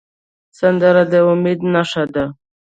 سندره د امید نښه ده